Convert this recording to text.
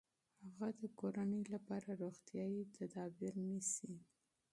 هغه د کورنۍ لپاره روغتیايي تدابیر نیسي.